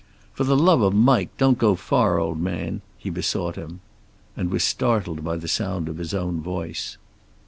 "For the love of Mike, don't go far, old man," he besought him. And was startled by the sound of his own voice.